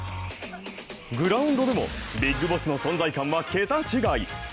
グラウンドでもビッグボスの存在感は桁違い。